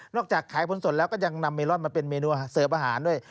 จากขายผลสดแล้วก็ยังนำเมลอนมาเป็นเมนูเสิร์ฟอาหารด้วย